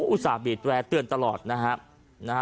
อุตส่าห์บีดแวร์เตือนตลอดนะครับ